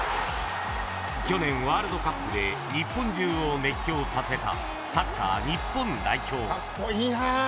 ［去年ワールドカップで日本中を熱狂させたサッカー日本代表］